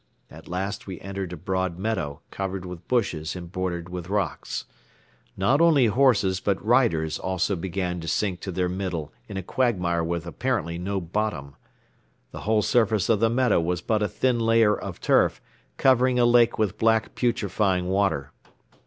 At last we entered a broad meadow covered with bushes and bordered with rocks. Not only horses but riders also began to sink to their middle in a quagmire with apparently no bottom. The whole surface of the meadow was but a thin layer of turf, covering a lake with black putrefying water.